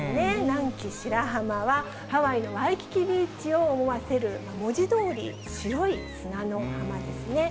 南紀白浜は、ハワイのワイキキビーチを思わせる、文字どおり、白い砂の浜ですね。